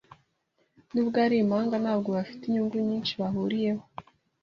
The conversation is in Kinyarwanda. Nubwo ari impanga, ntabwo bafite inyungu nyinshi bahuriyeho.